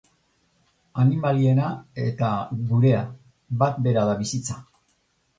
Animaliena eta gurea, bat bera da bizitza.